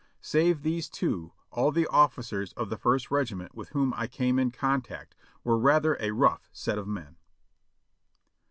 Save these two, all the officers of the First Regiment with whom I came in contact were rather a rough set of men.